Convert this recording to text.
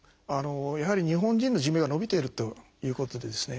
やはり日本人の寿命が延びているということでですね